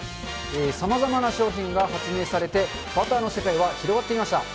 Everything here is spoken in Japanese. さまざまな商品が発明されて、バターの世界は広がっていました。